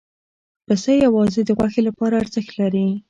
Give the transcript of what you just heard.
پسه یوازې د غوښې لپاره ارزښت لري.